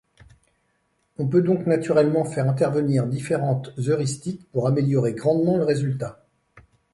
On peut donc naturellement faire intervenir différentes heuristiques pour améliorer grandement le résultat.